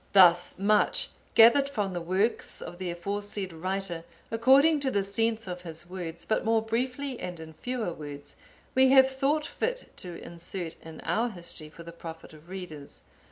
Thus much, gathered from the works of the aforesaid writer, according to the sense of his words, but more briefly and in fewer words, we have thought fit to insert in our History for the profit of readers.